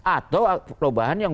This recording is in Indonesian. atau perubahan yang